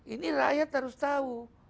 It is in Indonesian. ini rakyat harus tahu